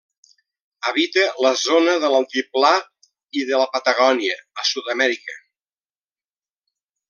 Habita la zona de l'Altiplà i de la Patagònia, a Sud-amèrica.